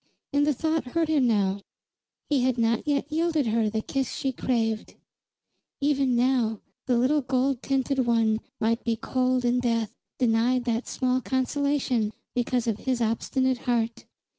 And the thought hurt him now; he had not yet yielded her the kiss she craved. Even now the little gold tinted one might be cold in death, denied that small consolation because of his obstinate heart.